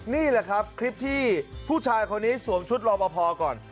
นี่แหละครับคลิปที่ผู้ชายคนนี้สวมชุดรอปภก่อน